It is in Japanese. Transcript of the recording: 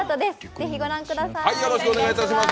ぜひご覧ください。